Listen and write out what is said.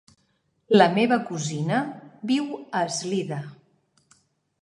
La meva cosina viu a Eslida.